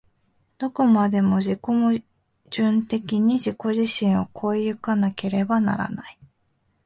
どこまでも自己矛盾的に自己自身を越え行かなければならない。